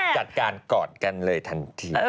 จัดการกอดกันเลยทันที